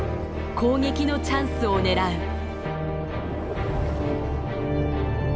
攻撃のチャンスを狙う。